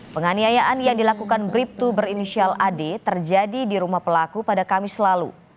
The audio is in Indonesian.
penganiayaan yang dilakukan bribtu berinisial ad terjadi di rumah pelaku pada kamis lalu